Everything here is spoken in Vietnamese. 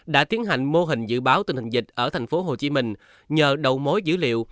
đã tiến hành mô hình dự báo tình hình dịch ở tp hcm nhờ đầu mối dữ liệu